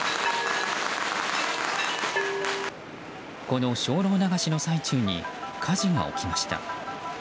この精霊流しの最中に火事が起きました。